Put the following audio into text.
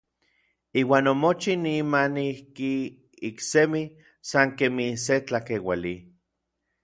Iuan omochij nimanijki iksemi san kemij se tlakeuali.